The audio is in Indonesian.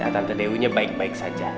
tante dewi nya baik baik saja